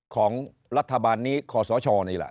ของรัฐบาลนี้ขอสชนี่แหละ